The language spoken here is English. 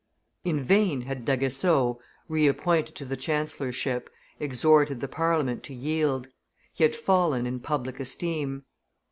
In vain had D'Aguesseau, reappointed to the chancellorship, exhorted the Parliament to yield: he had fallen in public esteem.